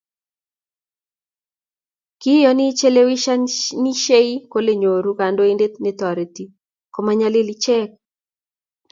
Kiyoni chelewenishei kole nyoru kandoindet netoriti komainyalil ichek